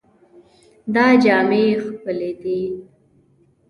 دا جامې ښکلې دي.